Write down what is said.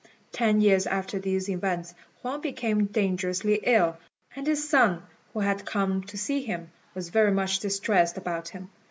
Ten years after these events, Huang became dangerously ill, and his son, who had come to see him, was very much distressed about him.